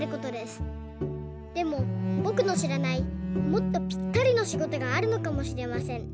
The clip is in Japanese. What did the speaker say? でもぼくのしらないもっとぴったりのしごとがあるのかもしれません。